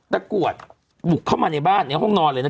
กรวดบุกเข้ามาในบ้านในห้องนอนเลยนะ